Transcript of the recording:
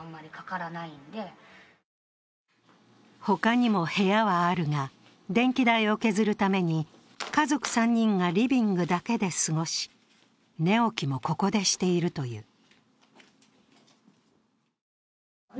他にも部屋はあるが、電気代を削るために家族３人がリビングだけで過ごし、寝起きもここでしているという。